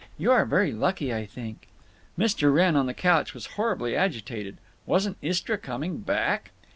You are very lucky, I think." Mr. Wrenn on the couch was horribly agitated…. Wasn't Istra coming back?